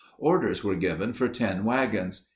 Orders were given for ten wagons.